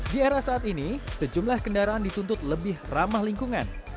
di era saat ini sejumlah kendaraan dituntut lebih ramah lingkungan